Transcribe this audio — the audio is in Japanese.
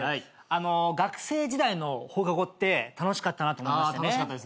あの学生時代の放課後って楽しかったなと思いましてね。